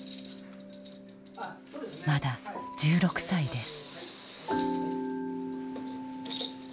まだ１６歳です。